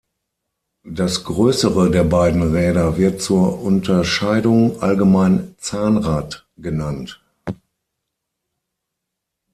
Das größere der beiden Räder wird zur Unterscheidung allgemein "Zahnrad" genannt.